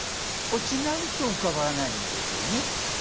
落ちないと浮かばないんですよね。